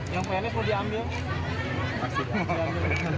yang penuh itu diambil